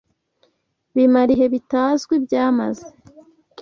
bimara ibihe bitazwi byamaze